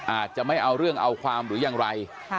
อาจจะไม่เอาเรื่องเอาความหรือยังไร